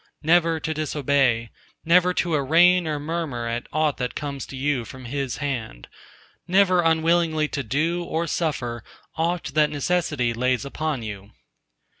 Never to disobey, never to arraign or murmur at aught that comes to you from His hand: never unwillingly to do or suffer aught that necessity lays upon you.